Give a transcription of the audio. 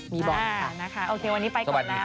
มีบอลค่ะโอเควันนี้ไปก่อนแล้วสวัสดีค่ะ